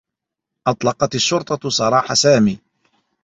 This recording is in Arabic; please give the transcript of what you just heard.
أطلقت الشّرطة سراح سامي.